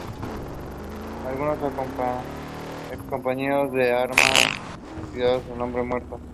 Algunos excompañeros de armas lo consideran "hombre muerto".